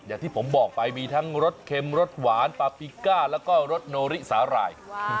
อย่างที่ผมบอกไปมีทั้งรสเค็มรสหวานปลาปิก้าแล้วก็รสโนริสาหร่าย